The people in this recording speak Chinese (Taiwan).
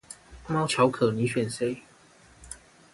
貓巧可你選誰